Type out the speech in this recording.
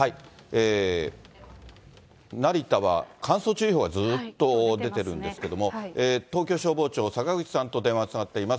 成田は乾燥注意報がずっと出てるんですけども、東京消防庁、坂口さんと電話がつながっています。